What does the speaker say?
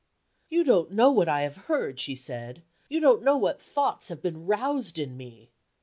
"You don't know what I have heard," she said, "you don't know what thoughts have been roused in me."